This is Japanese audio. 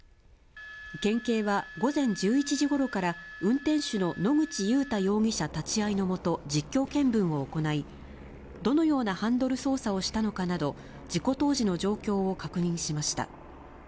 県警は午前１１時ごろから、運転手の野口祐太容疑者立ち会いの下、実況見分を行い、どのようなハンドル操作をしたのかなど、事故当時の状況を確認しました。